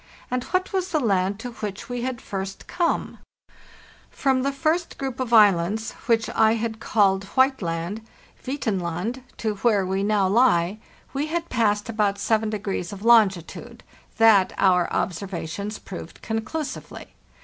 And what was the land to which we had first come? From the first group of islands, which I had called White Land (Hvidtenland), to where we now THE NEW YEAR, 1896 459 lie, we had passed about 7° of longitude—that our obser vations proved conclusively.